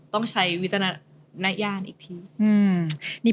ต้องใช้วิจารณญาณอีกที